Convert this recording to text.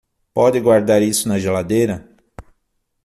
Pode guardar isso na geladeira?